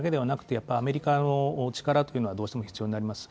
やっぱりアメリカの力というのはどうしても必要になります。